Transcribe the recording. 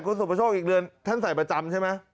คุณสุประโชคอีกเดือนท่านใส่ประจำใช่ไหม